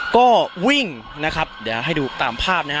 ก็วิ่งนะครับเดี๋ยวให้ดูตามภาพนะฮะ